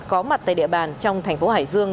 có mặt tại địa bàn trong thành phố hải dương